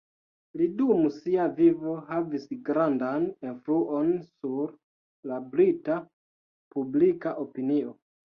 Li dum sia vivo havis grandan influon sur la brita publika opinio.